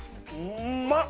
うまっ！